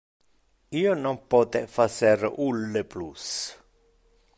Io non pote facer ulle plus.